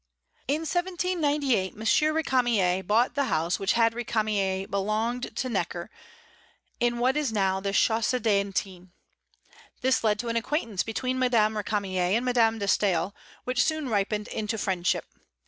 In 1798 M. Récamier bought the house which had Récamier belonged to Necker, in what is now the Chaussée d'Antin. This led to an acquaintance between Madame Récamier and Madame de Staël, which soon ripened into friendship.